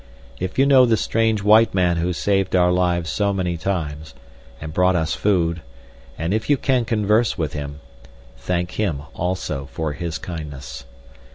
If you know the strange white man who saved our lives so many times, and brought us food, and if you can converse with him, thank him, also, for his kindness.